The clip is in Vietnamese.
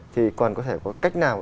thì còn có thể có cách nào